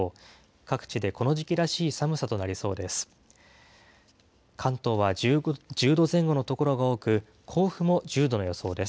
各地でこの時期らしい寒さとなりそうです。